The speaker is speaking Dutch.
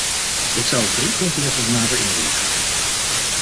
Ik zou op drie punten nog eens nader in willen gaan.